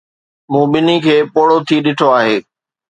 مون ٻنهي کي پوڙهو ٿي ڏٺو آهي.